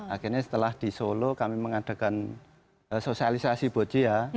akhirnya setelah di solo kami mengadakan sosialisasi boci ya